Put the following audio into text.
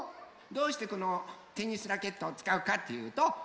どうしてこのテニスラケットをつかうかっていうと